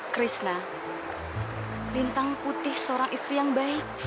krishna bintang putih seorang istri yang baik